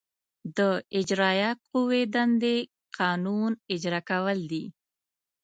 د اجرائیه قوې دندې قانون اجرا کول دي.